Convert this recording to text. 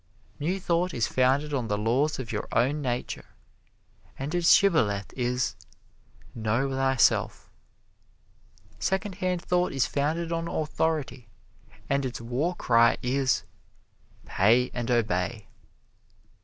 New Thought is founded on the laws of your own nature, and its shibboleth is, "Know Thyself." Secondhand Thought is founded on authority, and its war cry is, "Pay and Obey."